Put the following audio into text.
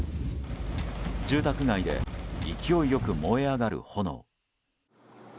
住宅街で勢い良く燃え上がる炎。